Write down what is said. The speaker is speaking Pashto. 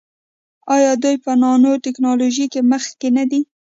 آیا دوی په نانو ټیکنالوژۍ کې مخکې نه دي؟